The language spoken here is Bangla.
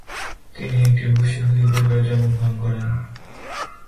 তিনি একটি রুশ ইহুদি পরিবারে জন্মগ্রহণ করেন।